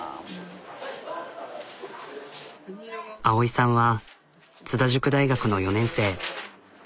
碧衣さんは津田塾大学の４年生。